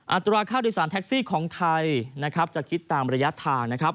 อัตรวาค่าดิสารแท็กซี่ของไทยจะคิดตามระยะทาง